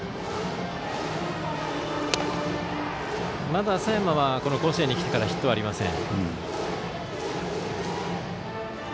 まだ佐山は甲子園に来てからヒットはありません。